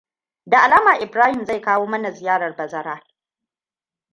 Da alama Ibrahim zai kawo mana ziyarar bazara.